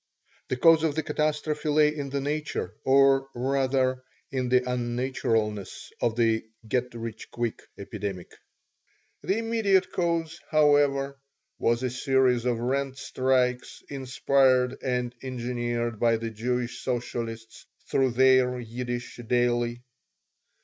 The cause of the catastrophe lay in the nature, or rather in the unnaturalness, of the "get rich quick" epidemic. Its immediate cause, however, was a series of rent strikes inspired and engineered by the Jewish socialists through their Yiddish daily.